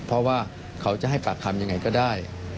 เพราะว่าเขาจะให้ปากคำยังไงก็ได้